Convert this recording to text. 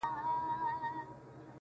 اوس يې ياري كومه ياره مـي ده.